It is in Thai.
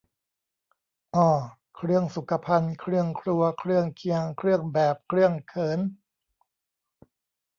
อ้อ เครื่องสุขภัณฑ์ เครื่องครัว เครื่องเคียง เครื่องแบบ เครื่องเขิน